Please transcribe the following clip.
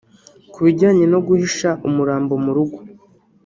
Ku bijyanye no guhisha umurambo mu rugo